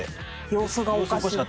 様子がおかしい。